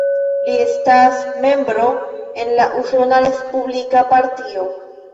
Li estas membro en la Usona respublika Partio.